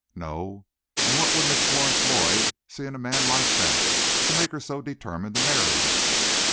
"No; and what would Miss Florence Lloyd see in a man like that, to make her so determined to marry him?"